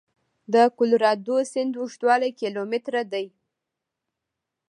د کلورادو سیند اوږدوالی کیلومتره دی.